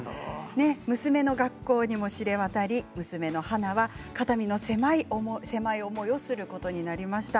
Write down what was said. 娘の学校にも知れ渡り娘の花は肩身の狭い思いをすることになりました。